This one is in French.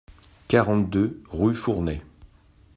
quarante-deux rue Fournet